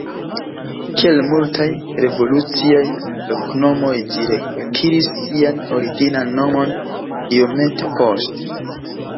Kiel multaj revoluciaj loknomoj, ĝi reakiris sian originan nomon iomete poste.